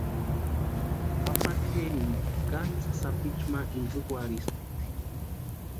Papa kʼeririni katsʼïkwa sapichu ma intsïkwarhispti.